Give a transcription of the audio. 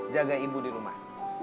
jaga ibu di rumah